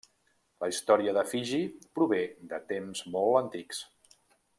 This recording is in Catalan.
La Història de Fiji prové de temps molt antics.